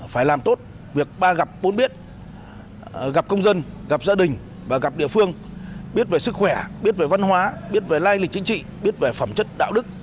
phải làm tốt việc ba gặp bốn biết gặp công dân gặp gia đình và gặp địa phương biết về sức khỏe biết về văn hóa biết về lai lịch chính trị biết về phẩm chất đạo đức